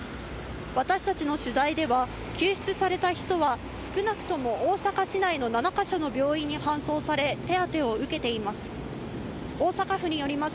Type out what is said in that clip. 私たちの取材では、救出された人は少なくとも大阪市内の７か所の病院に搬送され、手当てを受けています。